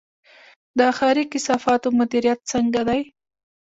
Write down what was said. د ښاري کثافاتو مدیریت څنګه دی؟